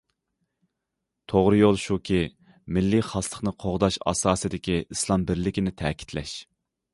توغرا يول شۇكى، مىللىي خاسلىقنى قوغداش ئاساسىدىكى ئىسلام بىرلىكىنى تەكىتلەش.